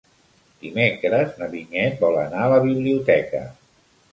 Dimecres na Vinyet vol anar a la biblioteca.